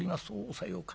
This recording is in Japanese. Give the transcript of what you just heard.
「さようか。